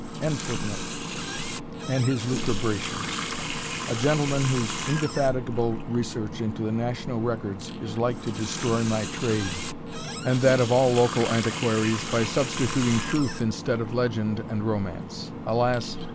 ] and his lucubrations; a gentleman whose indefatigable research into the national records is like to destroy my trade, and that of all local antiquaries, by substituting truth instead of legend and romance. Alas!